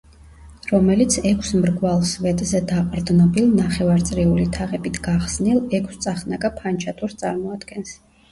რომელიც ექვს მრგვალ სვეტზე დაყრდნობილ, ნახევარწრიული თაღებით გახსნილ, ექვსწახნაგა ფანჩატურს წარმოადგენს.